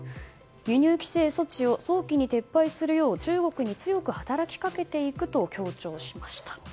輸入規制措置を早期に撤廃するよう中国に強く働きかけていくと強調しました。